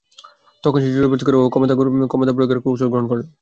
তখন সে জোর-জবরদস্তি ও ক্ষমতা প্রয়োগের কৌশল গ্রহণ করল।